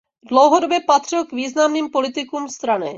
Dlouhodobě patřil k významným politikům strany.